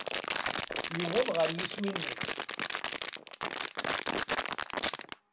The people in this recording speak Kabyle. Yewweḍ ɣer yiswi-nnes.